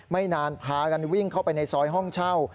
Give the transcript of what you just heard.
ไม่นานพากันวิ่งเข้าไปในซอยห้องเช่า